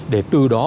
để từ đó